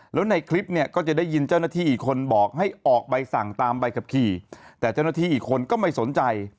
แล้วในคลิปเนี่ยก็จะได้ยินเจ้าหน้าที่อีกคนบอกให้ออกใบสั่งตามใบขับขี่แต่เจ้าหน้าที่อีกคนก็ไม่สนใจ